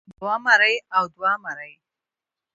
يوه مرۍ او دوه مرۍ